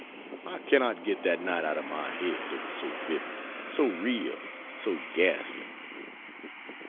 I cannot get that night out of my head, it was so vivid, so real, so ghastly.